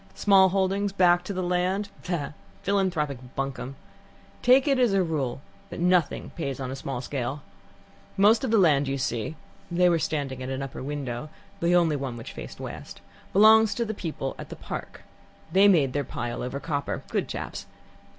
Small holdings, back to the land ah! philanthropic bunkum. Take it as a rule that nothing pays on a small scale. Most of the land you see (they were standing at an upper window, the only one which faced west) belongs to the people at the Park they made their pile over copper good chaps.